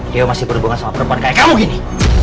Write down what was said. dia masih berhubungan sama perempuan kayak kamu gini